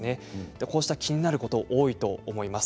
こうした気になること多いと思います。